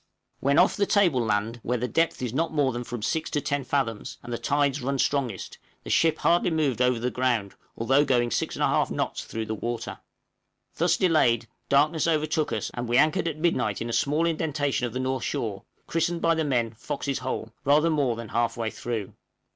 {FOX'S HOLE.} When off the table land, where the depth is not more than from 6 to 10 fathoms, and the tides run strongest, the ship hardly moved over the ground, although going 6 1/2 knots through the water! Thus delayed, darkness overtook us, and we anchored at midnight in a small indentation of the north shore, christened by the men Fox's Hole, rather more than half way through.